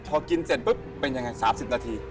พอกินเสร็จปุ๊บเป็นยังไง๓๐นาที